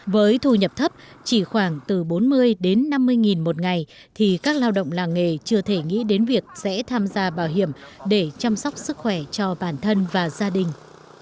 với thu nhập thấp chỉ khoảng từ bốn mươi đến năm mươi nghìn một ngày thì các lao động làng nghề chưa thể nghĩ đến việc sẽ tham gia bảo hiểm để chăm sóc sức khỏe cho bản thân và gia đình